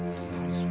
それ。